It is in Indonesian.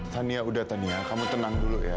tania udah tania kamu tenang dulu ya